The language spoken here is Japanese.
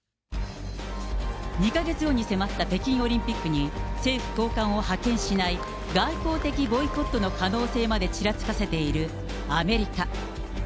２か月後に迫った北京オリンピックに、政府高官を派遣しない外交的ボイコットの可能性までちらつかせているアメリカ。